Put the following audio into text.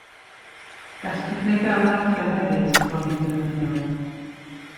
Gall technegau ymlacio hefyd brofi'n ddefnyddiol.